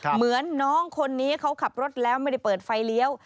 เหมือนน้องคนนี้เขาขับรถแล้วไม่ได้เปิดไฟเลี้ยว